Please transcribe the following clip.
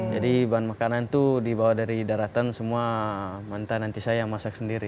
jadi bahan makanan itu dibawa dari daratan semua mantan nanti saya yang masak sendiri